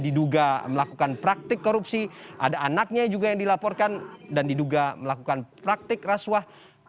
diduga melakukan praktik korupsi ada anaknya juga yang dilaporkan dan diduga melakukan praktik rasuah